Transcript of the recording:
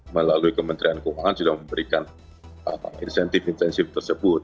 melalui kementerian keuangan sudah memberikan insentif intensif tersebut